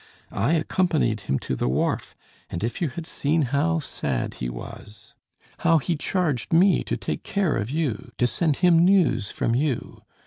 I accompanied him to the wharf, and if you had seen how sad he was! How he charged me to take care of you; to send him news from you!